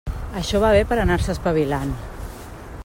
Això va bé per anar-se espavilant.